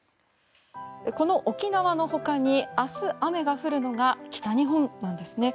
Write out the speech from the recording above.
この沖縄のほかに明日、雨が降るのが北日本なんですね。